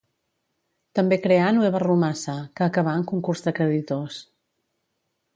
També creà Nueva Rumasa, que acabà en concurs de creditors.